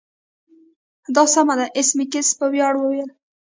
دا سمه ده ایس میکس په ویاړ وویل